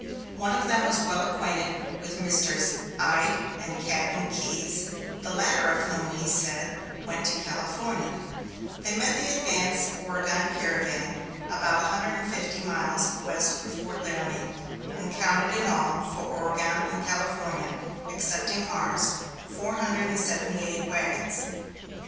One of them was well acquainted with Messrs. Ide and Cadden Keyes, the latter of whom, he says, went to California. They met the advance Oregon caravan about 150 miles west of Fort Laramie, and counted in all, for Oregon and California (excepting ours), 478 wagons.